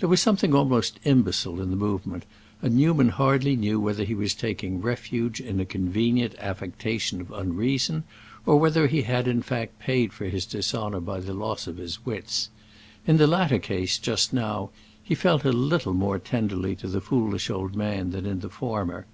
There was something almost imbecile in the movement, and Newman hardly knew whether he was taking refuge in a convenient affectation of unreason, or whether he had in fact paid for his dishonor by the loss of his wits. In the latter case, just now, he felt little more tenderly to the foolish old man than in the former.